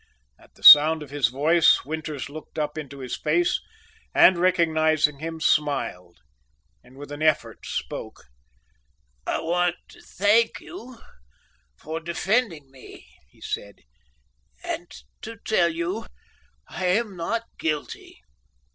At the sound of his voice Winters looked up into his face and, recognizing him, smiled, and with an effort spoke: "I want to thank you for defending me," he said, "and to tell you I am not guilty."